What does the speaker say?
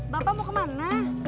bapak mau kemana